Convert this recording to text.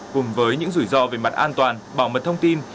cùng với những rủi ro về mặt an toàn bảo mật thông tin